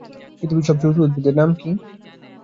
পৃথিবীর সবচেয়ে উঁচু উদ্ভিদের নাম কী?